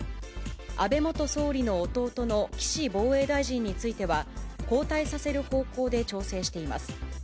安倍元総理の弟の岸防衛大臣については、交代させる方向で調整しています。